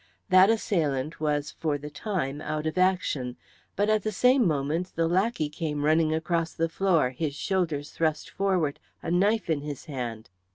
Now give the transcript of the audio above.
That assailant was for the time out of action, but at the same moment the lackey came running across the floor, his shoulders thrust forward, a knife in his hand.